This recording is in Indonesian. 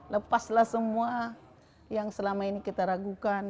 lepaslah semua yang selama ini kita ragukan